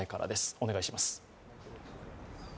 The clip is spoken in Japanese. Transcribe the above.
お願いします。